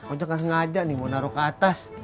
ojak nggak sengaja nih mau naro ke atas